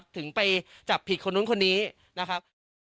ถึงไปจับผิดคนนู้นคนนี้นะครับ